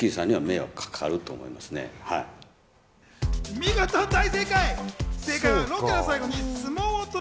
見事大正解！